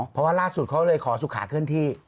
เพราะว่าล่าสุดเขาเลยขอสุขาเคลื่อนที่